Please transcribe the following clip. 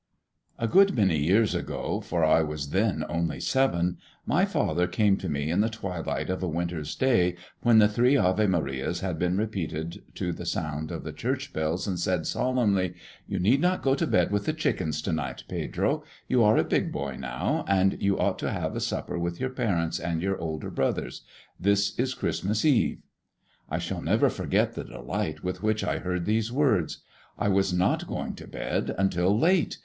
A good many years ago, for I was then only seven, my father came to me in the twilight of a winter's day, when the three Ave Marias had been repeated to the sound of the church bells, and said solemnly, "You need not go to bed with the chickens to night, Pedro; you are a big boy now, and you ought to have supper with your parents and your older brothers. This is Christmas Eve." I shall never forget the delight with which I heard these words. I was not going to bed until late!